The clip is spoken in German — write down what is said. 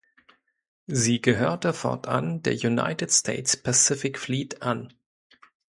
Sie gehörte fortan der United States Pacific Fleet an.